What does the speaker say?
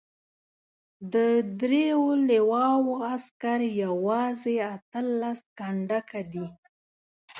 د دریو لواوو عسکر یوازې اته لس کنډکه دي.